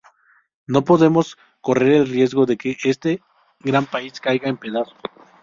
No podemos correr el riesgo de que este gran país caiga en pedazos".